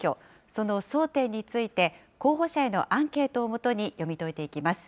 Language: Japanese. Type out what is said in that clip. その争点について、候補者へのアンケートを基に読み解いていきます。